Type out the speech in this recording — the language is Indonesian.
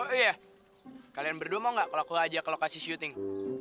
oh iya kalian berdua gak kalau aku ajak ke lokasi syuting